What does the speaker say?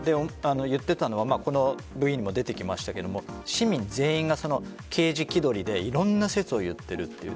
言っていたのはこのＶＴＲにも出てきましたが市民全員が刑事気取りでいろんな説を言っているという。